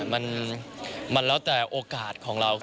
มันแล้วแต่โอกาสของเรา